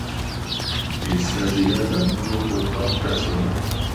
Il s'agit là d'un nouveau record personnel.